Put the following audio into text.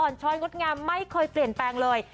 ช้อยงดงามไม่เคยเปลี่ยนแปลงเลย